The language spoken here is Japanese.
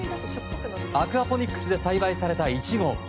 アクアポニックスで栽培されたイチゴ。